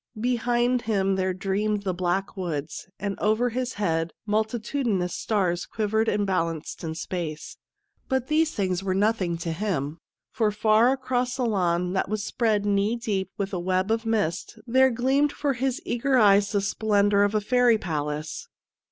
Behind him there dreamed 165 156 CHILDREN OF THE MOON the black woods, and over his head multitu dinous stars quivered and balanced in space ; but these things were nothing to him, for far across the lawn that was spread knee deep with a web of mist there gleamed for his eager eyes the splendour of a fairy palace.